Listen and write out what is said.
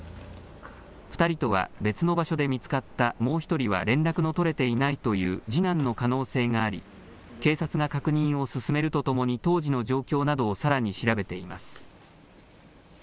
２人とは別の場所で見つかったもう１人は連絡の取れていないという次男の可能性があり警察が確認を進めるとともに当時の状況などをさらに調べています。